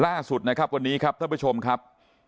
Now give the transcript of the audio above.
ล่าสุดนะครับวันนี้ครับท่านผู้ชมครับ